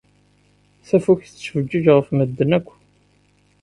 Tafukt tettfeǧǧiǧ ɣef medden akk.